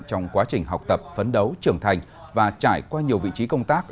trong quá trình học tập phấn đấu trưởng thành và trải qua nhiều vị trí công tác